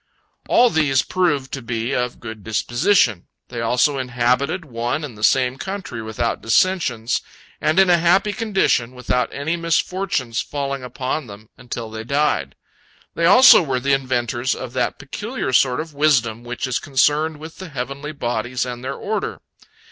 All these proved to be of good disposition. They also inhabited one and the same country without dissensions, and in a happy condition, without any misfortune's falling upon them, until they died. They also were the inventors of that peculiar sort of wisdom which is concerned with the heavenly bodies and their order.